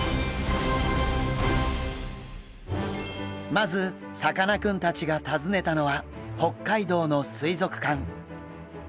まずさかなクンたちが訪ねたのは北海道の水族館。